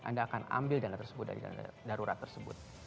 anda akan ambil dana tersebut dari dana darurat tersebut